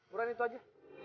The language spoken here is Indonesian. udah gitu aja